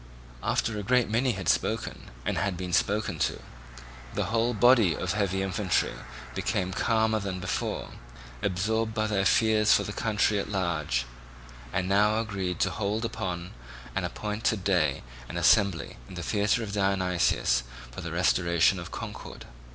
After a great many had spoken and had been spoken to, the whole body of heavy infantry became calmer than before, absorbed by their fears for the country at large, and now agreed to hold upon an appointed day an assembly in the theatre of Dionysus for the restoration of concord.